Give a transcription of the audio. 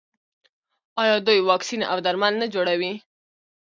آیا دوی واکسین او درمل نه جوړوي؟